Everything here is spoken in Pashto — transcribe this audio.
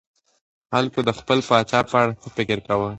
خلګو د خپل پاچا په اړه څه فکر کاوه؟